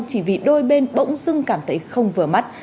chỉ vì đôi bên bỗng dưng cảm thấy không vừa mắt